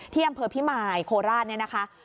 ที่อำเภอพิมายโคราชเนี่ยนะคะ